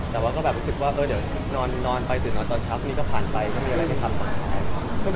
แต่ว่าก็รู้สึกว่าเดี๋ยวนอนไปตื่นนอนตอนเช้าวันนี้ก็ผ่านไปไม่มีอะไรที่ทำต่อเช้า